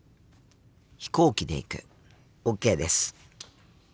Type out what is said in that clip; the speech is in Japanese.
飛行機で行く。ＯＫです。